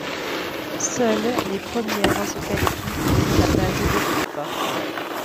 Seules les premières se qualifient pour la phase de groupes.